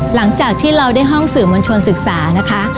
หลังจากที่เราได้ห้องสื่อมวลชนศึกษานะคะ